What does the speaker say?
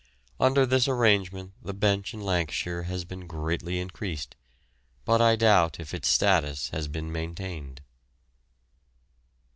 Under this arrangement the bench in Lancashire has been greatly increased, but I doubt if its status has been maintained.